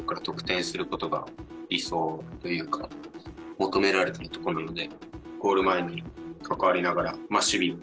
求められてるとこなので。